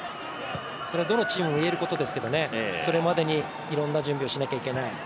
それはどのチームも言えることですけど、それまでにいろんな準備をしないといけない。